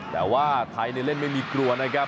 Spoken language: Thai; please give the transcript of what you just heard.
แต่ว่าไทยเล่นไม่มีกลัวนะครับ